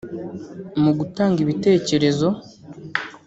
Mu gutanga ibitekerezo